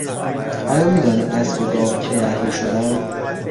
آیا میدانی اسب و گاو کی اهلی شدند؟